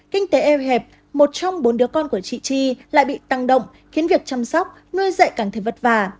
kinh tế eo hẹp một trong bốn đứa con của chị chi lại bị tăng động khiến việc chăm sóc nuôi dạy cảm thấy vất vả